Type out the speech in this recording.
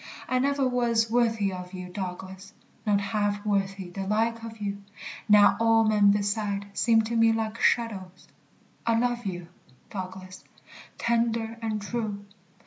I never was worthy of you, Douglas; Not half worthy the like of you: Now all men beside seem to me like shadows I love you, Douglas, tender and true.